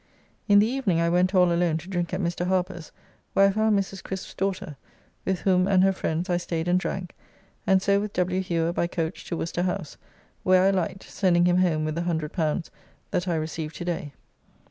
In the evening I went all alone to drink at Mr. Harper's, where I found Mrs. Crisp's daughter, with whom and her friends I staid and drank, and so with W. Hewer by coach to Worcester House, where I light, sending him home with the L100 that I received to day.